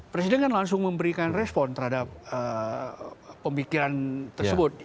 presiden kan langsung memberikan respon terhadap pemikiran tersebut